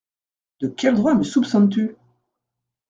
De quel droit me soupçonnes-tu ?